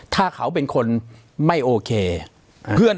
ถ้าเขาเป็นคนไม่โอเค